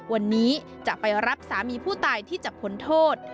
วันนี้จะไปรับสามีผู้ตายที่จะผลโทษ